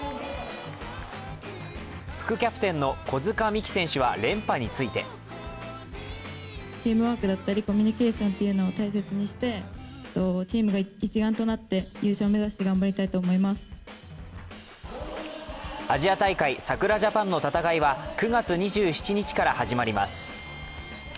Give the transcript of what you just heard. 副キャプテンの狐塚美樹選手は連覇についてアジア大会、さくらジャパンの戦いは９月２７日から始まります。